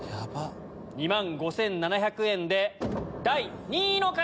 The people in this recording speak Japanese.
２万５７００円で第２位の方！